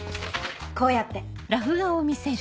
こうやって。